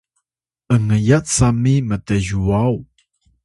’ngyat sami mtyuwaw